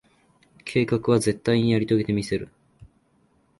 計画は、絶対にやり遂げてみせる。